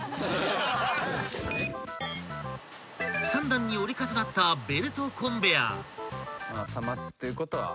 ［３段に折り重なったベルトコンベヤー］